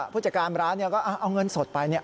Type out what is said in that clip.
ผู้จัดการร้านก็เอาเงินสดไป